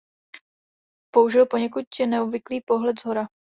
Použil poněkud neobvyklý pohled shora.